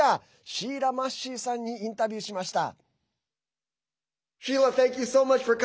シーラ・マッシーさんにインタビューしました。